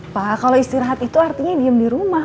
pa kalo istirahat itu artinya diem di rumah